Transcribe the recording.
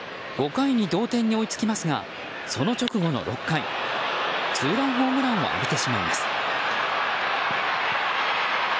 ５回に同点に追いつきますがその直後の６回ツーランホームランを浴びてしまいます。